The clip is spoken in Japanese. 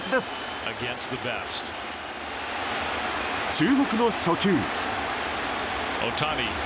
注目の初球。